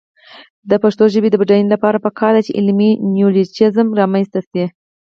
د پښتو ژبې د بډاینې لپاره پکار ده چې علمي نیولوجېزم رامنځته شي.